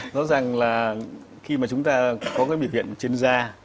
nó rằng là khi mà chúng ta có cái biểu hiện trên da